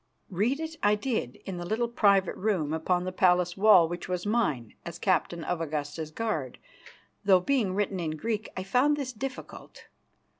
Read it I did in the little private room upon the palace wall which was mine as captain of the Augusta's guard, though, being written in Greek, I found this difficult.